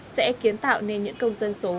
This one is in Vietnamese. sẽ kiến tạo nên những công dân số